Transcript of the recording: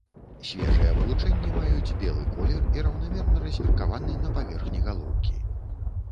Свежыя вылучэнні маюць белы колер і раўнамерна размеркаваны на паверхні галоўкі.